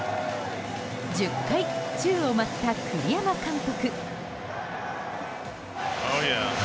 １０回、宙を舞った栗山監督。